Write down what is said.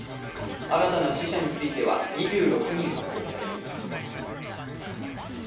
新たな死者については２６人発表されています。